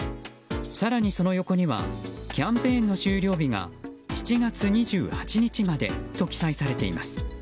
更にその横にはキャンペーンの終了日が７月２８日までと記載されています。